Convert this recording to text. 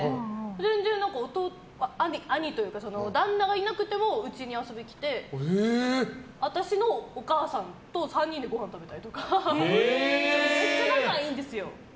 全然、兄というか旦那がいなくてもうちに遊びに来て私のお母さんと３人でごはん食べたりとかめっちゃ仲いいんですよ。